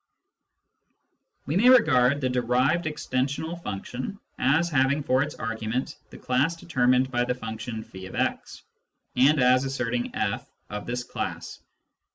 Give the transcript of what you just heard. We may regard the derived extensional function as having for its argument the class determined by the function <f>x, and as asserting/ of this class.